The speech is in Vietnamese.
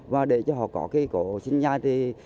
và để cho họ có cái cổ sinh nhai